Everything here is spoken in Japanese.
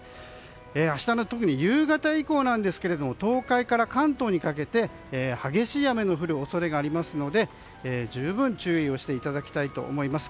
明日の夕方以降ですが東海から関東にかけて激しい雨の降る恐れがありますので十分注意していただきたいと思います。